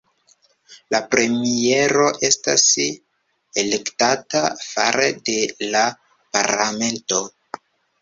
La premiero estas elektata fare de la parlamento.